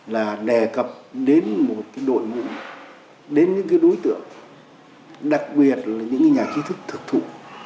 là đề cập đến một cái đội ngũ đến những cái đối tượng đặc biệt là những nhà trí thức thực thụ